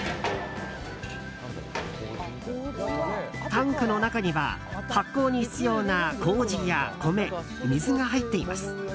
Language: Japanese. タンクの中には発酵に必要な麹や米、水が入っています。